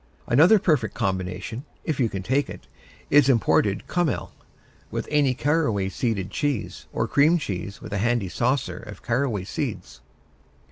Another perfect combination, if you can take it, is imported kümmel with any caraway seeded cheese, or cream cheese with a handy saucer of caraway seeds.